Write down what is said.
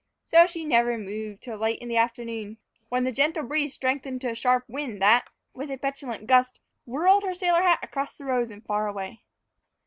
So she never moved till late in the afternoon, when the gentle breeze strengthened to a sharp wind that, with a petulant gust, whirled her sailor across the rows and far away.